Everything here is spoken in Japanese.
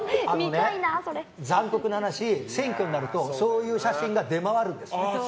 残酷な話選挙になるとそういう写真が出回るんです。